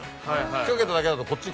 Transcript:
引っ掛けただけだとこっち